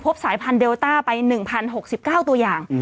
สายพันธุเดลต้าไป๑๐๖๙ตัวอย่าง